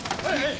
はい！